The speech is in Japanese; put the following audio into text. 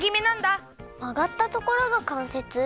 まがったところがかんせつ？